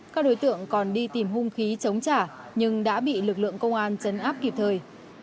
các đối tượng còn đi tìm hung khí chống trả nhưng đã bị lực lượng công an chấn áp kịp thời